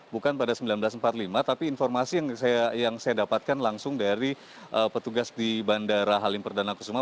bukan pada seribu sembilan ratus empat puluh lima tapi informasi yang saya dapatkan langsung dari petugas di bandara halim perdana kusuma